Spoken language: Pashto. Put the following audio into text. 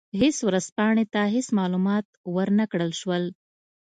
هېڅ ورځپاڼې ته هېڅ معلومات ور نه کړل شول.